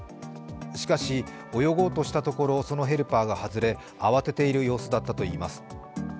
しかし泳ごうとしたところそのヘルパーが外れ慌てている様子だったといいます。